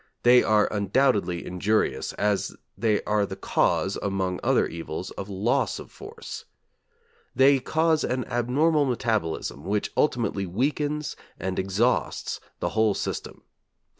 They are undoubtedly injurious, as they are the cause, among other evils, of loss of force. They cause an abnormal metabolism which ultimately weakens and exhausts the whole system.